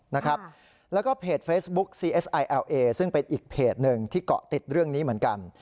แล้วก็เพจเฟซบุ๊กซีเอสไอแอลเอซึ่งเป็นอีกเพจหนึ่งที่เกาะติดเรื่องนี้เหมือนกัน